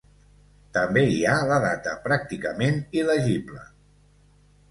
També hi ha la data, pràcticament il·legible.